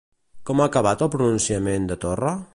Com ha acabat el pronunciament de Torra?